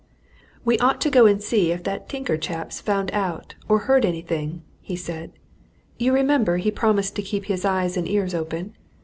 "We ought to go and see if that tinker chap's found out or heard anything," he said. "You remember he promised to keep his eyes and ears open.